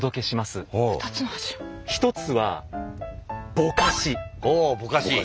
１つは「ぼかし」。